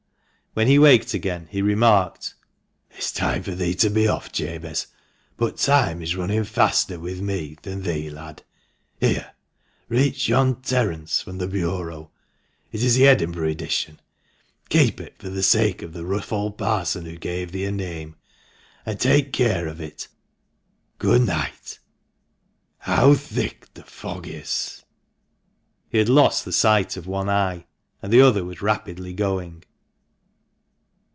When he waked again he remarked —" It's time for thee to be off, Jabez ; but time is running faster with me than thee, lad. Here, reach yon "Terence" from the bureau. It is the Edinburgh edition. Keep it for the sake of the rough old Parson who gave thee thy name. And take care of it. Good night. How thick the fog is!" He had lost the sight of one eye, and the other was rapidly going.